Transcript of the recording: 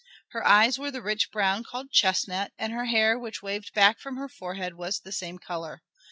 Her eyes were the rich brown called chestnut, and her hair, which waved back from her forehead, was the same color.